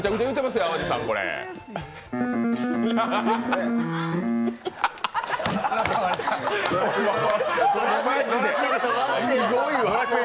すごいわ！